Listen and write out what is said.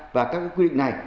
và các quy định này